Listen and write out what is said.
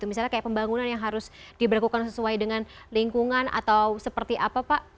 misalnya kayak pembangunan yang harus diberlakukan sesuai dengan lingkungan atau seperti apa pak